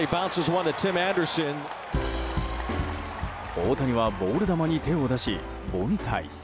大谷はボール球に手を出し、凡退。